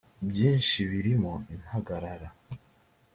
byinshi birimo impagarara